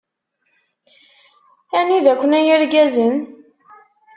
Anida-ken a yirgazen?